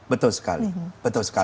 betul betul sekali